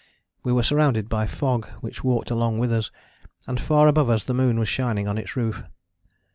We were surrounded by fog which walked along with us, and far above us the moon was shining on its roof.